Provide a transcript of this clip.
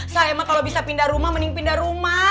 saya mah kalo bisa pindah rumah mending pindah rumah